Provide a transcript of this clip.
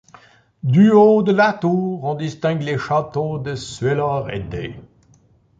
Du haut de la tour on distingue les châteaux de Cuéllar et d'.